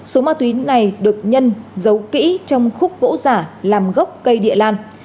số ma túy này được nhân giấu kỹ trong khúc gỗ giả làm gốc cây địa lan